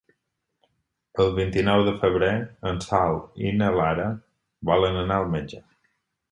El vint-i-nou de febrer en Sol i na Lara volen anar al metge.